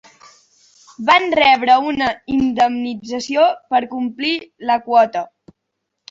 Van rebre una indemnització per complir la quota.